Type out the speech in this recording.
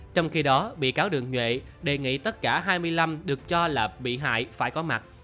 trong khi đó bị cáo đường nhuệ đề nghị tất cả hai mươi năm được cho là bị hại phải có mặt